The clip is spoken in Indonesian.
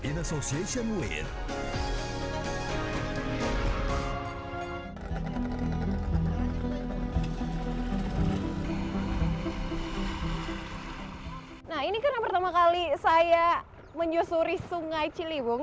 nah ini karena pertama kali saya menyusuri sungai ciliwung